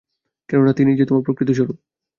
কেননা তিনিই যে তোমার প্রকৃত স্বরূপ।